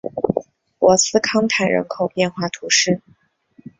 博斯康坦人口变化图示